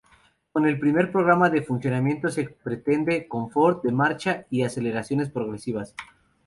Con el primer programa de funcionamiento se pretende confort de marcha y aceleraciones progresivas.